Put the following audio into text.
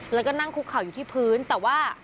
แล้วก็นั่งคุกเข่าอยู่ที่พื้นแต่ว่า